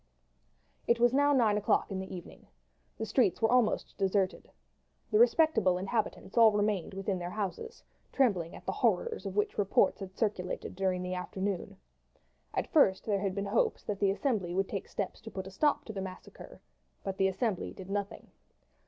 It was now nine o'clock in the evening. The streets were almost deserted. The respectable inhabitants all remained within their houses, trembling at the horrors, of which reports had circulated during the afternoon. At first there had been hopes that the Assembly would take steps to put a stop to the massacre, but the Assembly did nothing.